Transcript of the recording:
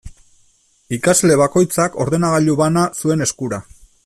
Ikasle bakoitzak ordenagailu bana zuen eskura.